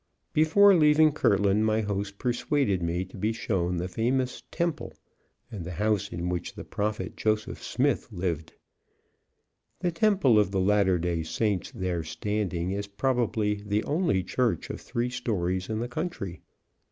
Before leaving Kirtland my host persuaded me to be shown the famous Temple and the house in which the Prophet, Joseph Smith, lived. The Temple of the Latter Day Saints there standing, is probably the only church of three stories in the country.